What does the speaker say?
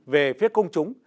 về phía công chúng